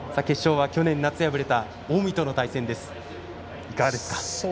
決勝は去年夏敗れた近江との対戦です。